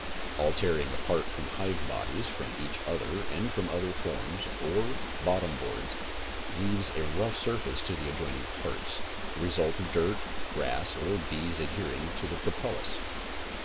All tearing apart of hive bodies from each other or from covers or bottom boards leaves a rough surface to the adjoining parts, the result of dirt, grass or bees adhering to the propolis.